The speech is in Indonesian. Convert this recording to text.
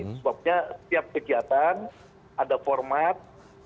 sebabnya setiap kegiatan ada format